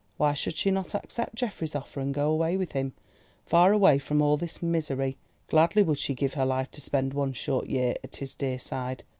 Why should she not accept Geoffrey's offer and go away with him—far away from all this misery? Gladly would she give her life to spend one short year at his dear side.